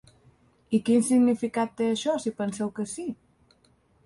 I quin significat té això si penseu que sí?